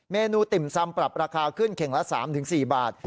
เมนูติ่มซำปรับราคาขึ้นเข่งละ๓๔บาท